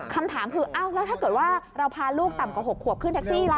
คำถามคืออ้าวแล้วถ้าเกิดว่าเราพาลูกต่ำกว่า๖ขวบขึ้นแท็กซี่ล่ะ